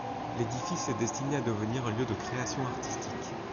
L'édifice est destiné à devenir un lieu de création artistique.